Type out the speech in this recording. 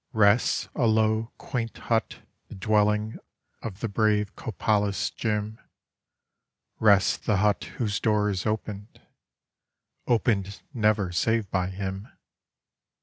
Rests a low, quaint hut, the dwelling of the brave Copalis Jim — Rests the hut whose door is opened — opened never save by him.